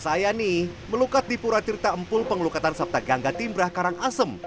saya nih melukat di purwakarta empul pengelukatan sapta gangga timbrah karangasem